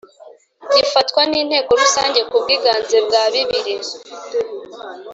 gifatwa n Inteko Rusange ku bwiganze bwa bibiri